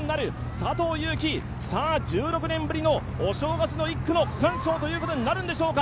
佐藤悠基、１６年ぶりのお正月の１区の区間賞ということになるんでしょうか。